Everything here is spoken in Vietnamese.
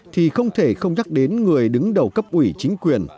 thì không thể không nhắc đến người đứng đầu cấp ủy chính quyền